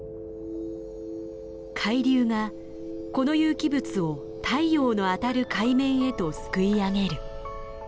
海流がこの有機物を太陽の当たる海面へとすくい上げる。